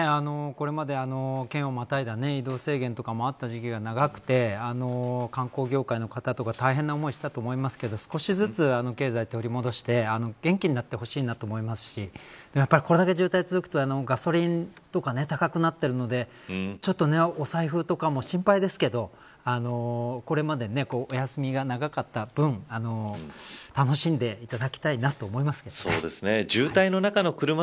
これまで、県をまたいだ移動制限とかもあった時期が長くて観光業界の方とか大変な思いをしたと思いますが少しずつ経済を取り戻して元気になってほしいと思いますしこれだけ渋滞が続くとガソリンとか高くなっているのでちょっとお財布とかも心配ですけどこれまで、お休みが長かった分楽しんでいただきたいなと思います。